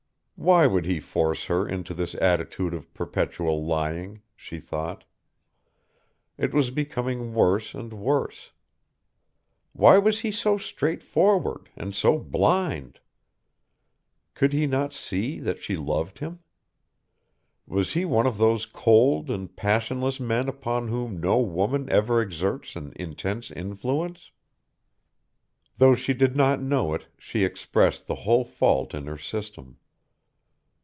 Why would he force her into this attitude of perpetual lying? she thought. It was becoming worse and worse. Why was he so straightforward and so blind? Could he not see that she loved him? Was he one of those cold and passionless men upon whom no woman ever exerts an intense influence? Though she did not know it, she expressed the whole fault in her system.